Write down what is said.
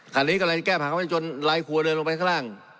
คันนี้ก็เลยแก้ผ่านเข้าไปจนลายครัวเดินลงไปข้างล่าง